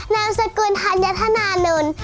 นามสกุลธัญญาธนานุน